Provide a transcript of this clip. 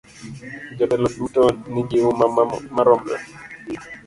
Jotelo duto nigi huma maromre.